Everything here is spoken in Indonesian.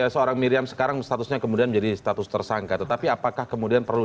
seorang miriam sekarang statusnya kemudian menjadi status tersangka tetapi apakah kemudian perlu